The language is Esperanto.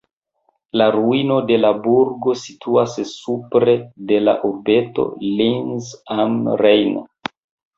La ruino de la burgo situas supre de la urbeto Linz am Rhein.